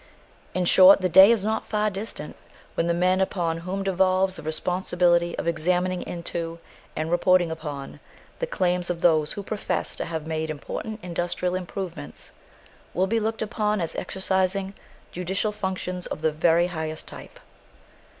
In short, the day is not far distant when the men upon whom devolves the responsibility of examining into, and reporting upon, the claims of those who profess to have made important industrial improvements will be looked upon as exercising judicial functions of the very highest type.